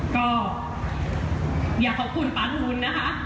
ก็อยากขอบคุณปาทูลนะคะ